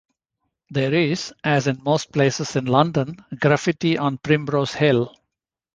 There is, as in most places in London, graffiti on Primrose Hill.